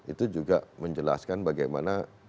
itu juga menjelaskan bagaimana